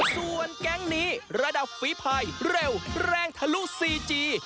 ส่วนแก๊งนี้ระดับฝีภายเร็วแรงทะลุซีจี